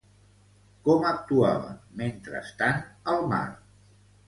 Com actuava, mentrestant, el mar?